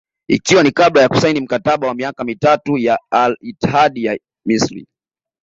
Ikiwa ni kabla ya kusaini mkataba wa miaka mitatu na Al Ittihad ya Misri